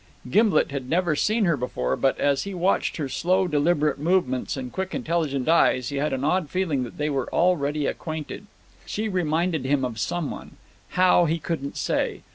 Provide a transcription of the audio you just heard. Gimblet had never seen her before; but, as he watched her slow deliberate movements and quick intelligent eyes, he had an odd feeling that they were already acquainted. She reminded him of some one; how, he couldn't say.